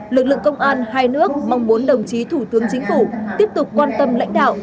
lực lượng công an hai nước mong muốn đồng chí thủ tướng chính phủ tiếp tục quan tâm lãnh đạo